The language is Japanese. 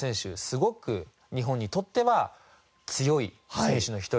すごく日本にとっては強い選手の一人。